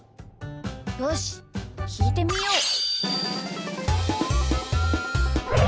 よしきいてみよう！